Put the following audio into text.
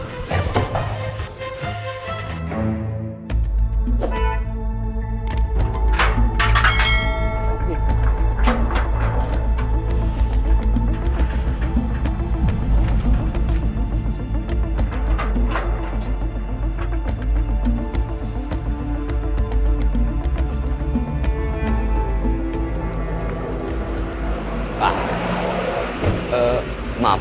tepatnya di jalan hamed